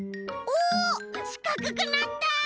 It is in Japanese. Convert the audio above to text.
おしかくくなった！